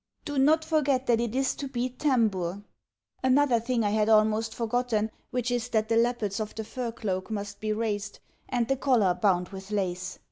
Do not forget that it is to be tambour. Another thing I had almost forgotten, which is that the lappets of the fur cloak must be raised, and the collar bound with lace.